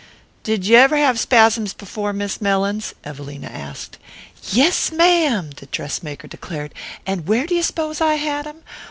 "D'you ever have spasms before, Miss Mellins?" Evelina asked. "Yes, ma'am," the dress maker declared. "And where'd you suppose I had 'em?